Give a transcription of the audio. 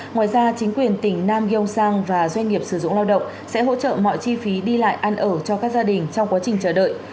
ngoài ra chính quyền tỉnh nam gyeong sang và doanh nghiệp sử dụng lao động sẽ hỗ trợ mọi chi phí đi lại ăn ở cho các gia đình trong quá trình chờ đợi